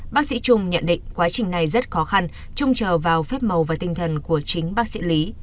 bác sĩ trung nhận định quá trình này rất khó khăn trông chờ vào phép màu và tinh thần của chính bác sĩ lý